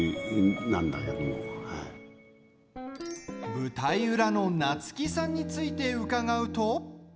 舞台裏の夏木さんについて伺うと。